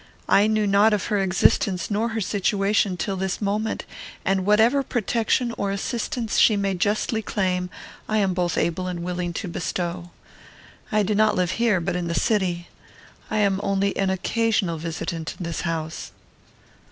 I knew not of her existence nor her situation till this moment; and whatever protection or assistance she may justly claim, I am both able and willing to bestow. I do not live here, but in the city. I am only an occasional visitant in this house."